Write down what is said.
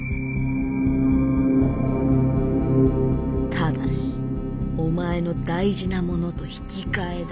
「ただしお前の大事なモノと引き換えだ」。